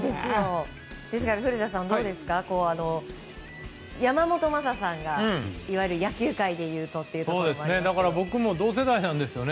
ですから、古田さん山本昌さんが、いわゆる野球界でいうとというのがありますけど。